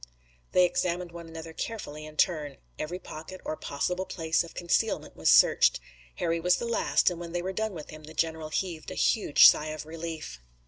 They examined one another carefully in turn. Every pocket or possible place of concealment was searched. Harry was the last and when they were done with him the general heaved a huge sigh of relief.